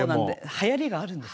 はやりがあるんです。